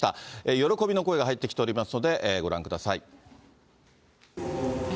喜びの声が入ってきておりますので、ご覧ください。